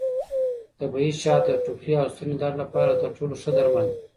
طبیعي شات د ټوخي او ستوني درد لپاره تر ټولو ښه درمل دي.